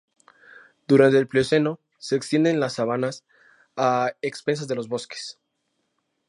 Durante el Plioceno se extienden las sabanas a expensas de los bosques.